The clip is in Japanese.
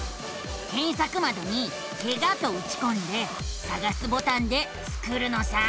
けんさくまどに「ケガ」とうちこんでさがすボタンでスクるのさ！